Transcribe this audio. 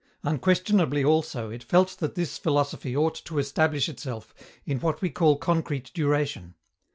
Unquestionably, also, it felt that this philosophy ought to establish itself in what we call concrete duration.